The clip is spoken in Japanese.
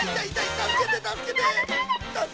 たすけてたすけて。